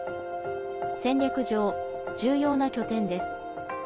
戦略上、重要な拠点です。